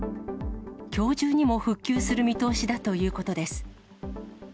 きょう中にも復旧する見通しだということです。